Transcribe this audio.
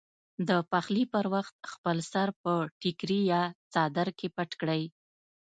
د پخلي پر وخت خپل سر په ټیکري یا څادر کې پټ کړئ.